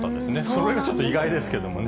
それがちょっと意外なんですけれどもね。